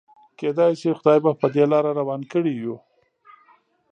کيدای شي خدای به په دې لاره روان کړي يو.